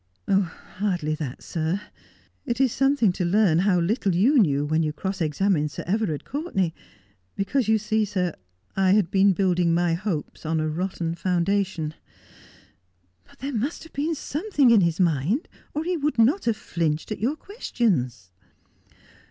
' Hardly that, sir. It is something to learn how little you knew when you cross examined Sir Everard Courtenay, because you see, sir, I had been building my hopes on a rotten foundation, liut there must have been something in his mind, or he would not have flinched at your questions.